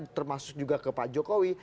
termasuk juga ke pak jokowi